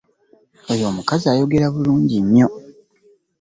Oyo omukazi ayogera bulungi nnyo.